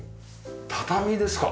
畳ですか？